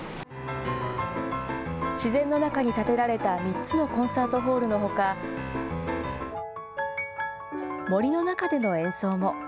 自然の中に建てられた３つのコンサートホールのほか、森の中での演奏も。